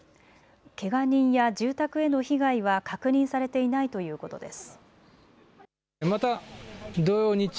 けが人や住宅への被害は確認されていないということです。